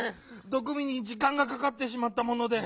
どくみにじかんがかかってしまったもので。